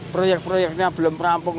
proyek proyeknya belum rampung